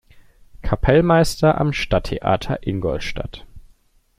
Kapellmeister am Stadttheater Ingolstadt.